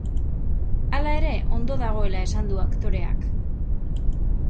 Hala ere, ondo dagoela esan du aktoreak.